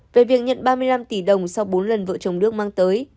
về việc nhận ba mươi năm tỷ đồng sau bốn lần vợ chồng đức mang tới